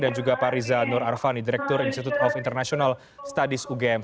dan juga pak riza nur arvani direktur institute of international studies ugm